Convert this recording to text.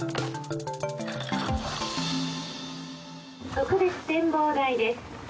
「特別展望台です」